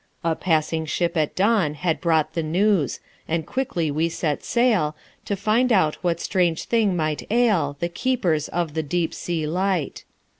A passing ship at dawn had brought The news; and quickly we set sail, To find out what strange thing might ail The keepers of the deep sea light.